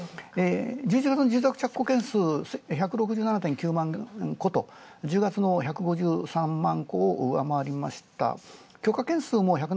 １１月の住宅着工件数、１０月の１５３万戸を上回りました。